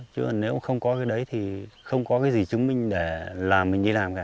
chứ còn nếu không có cái đấy thì không có cái gì chứng minh để làm mình đi làm cả